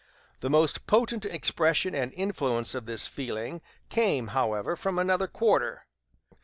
The most potent expression and influence of this feeling came, however, from another quarter.